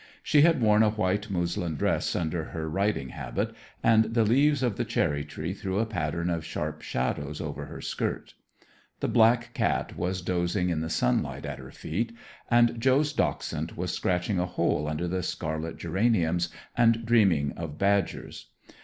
She had worn a white muslin dress under her riding habit, and the leaves of the cherry tree threw a pattern of sharp shadows over her skirt. The black cat was dozing in the sunlight at her feet, and Joe's dachshund was scratching a hole under the scarlet geraniums and dreaming of badgers.